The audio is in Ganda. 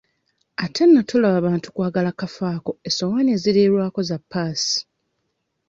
Ate nno tolaba bantu kwagala kafo ako essowaani eziriirwako za ppaasi.